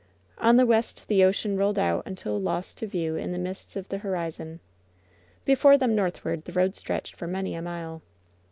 On the west the ocean rolled out until lost to view in the mists of the horizon. Before them northward the road stretched for many a mile.